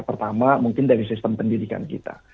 pertama mungkin dari sistem pendidikan kita